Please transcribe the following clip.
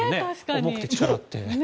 重くて力があって。